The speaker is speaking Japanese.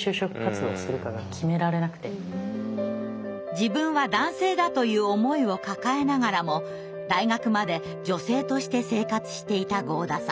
自分は男性だという思いを抱えながらも大学まで女性として生活していた合田さん。